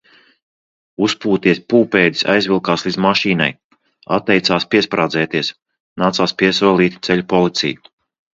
Uzpūties pūpēdis aizvilkās līdz mašīnai. Atteicās piesprādzēties, nācās piesolīt ceļu policiju.